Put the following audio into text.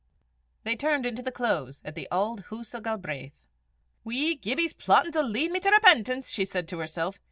They turned into the close of the Auld Hoose o' Galbraith. "Wee Gibbie's plottin' to lead me to repentance!" she said to herself.